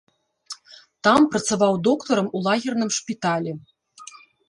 Там працаваў доктарам у лагерным шпіталі.